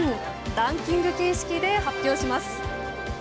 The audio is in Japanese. ランキング形式で発表します。